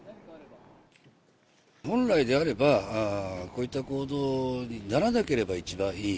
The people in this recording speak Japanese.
本来であれば、こういった行動にならなければ一番いい。